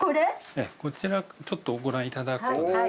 ええこちらちょっとご覧いただくとですね